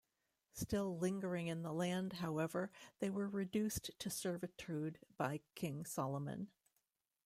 Still lingering in the land, however, they were reduced to servitude by King Solomon.